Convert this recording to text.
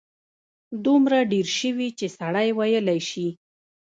دومره ډېر شوي چې سړی ویلای شي.